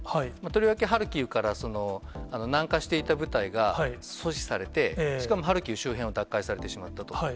とりわけハルキウから南下していった部隊が阻止されて、しかもハルキウ周辺を奪回されてしまったと。